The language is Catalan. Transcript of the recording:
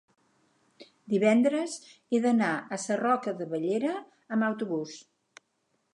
divendres he d'anar a Sarroca de Bellera amb autobús.